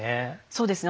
そうですね。